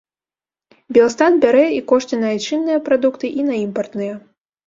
Белстат бярэ і кошты на айчынныя прадукты, і на імпартныя.